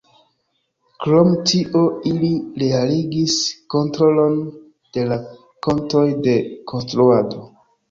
Krom tio ili realigis kontrolon de la kontoj de konstruado.